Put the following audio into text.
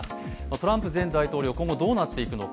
トランプ前大統領、今後どうなっていくのか、